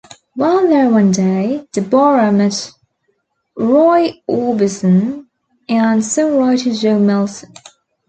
While there one day, Deborah met Roy Orbison and songwriter Joe Melson.